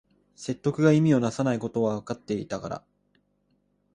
説得が意味をなさないことはわかっていたから